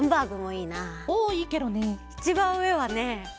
いちばんうえはね